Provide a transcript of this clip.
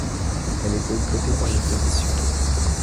Elle est boycottée par l'opposition.